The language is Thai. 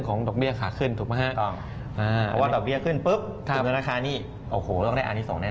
อันนี้โอ้โหต้องได้อันที่๒แน่นอน